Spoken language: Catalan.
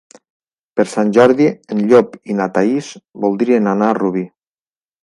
Per Sant Jordi en Llop i na Thaís voldrien anar a Rubí.